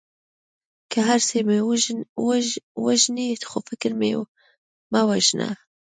که هر څه مې وژنې خو فکر مې مه وژنه.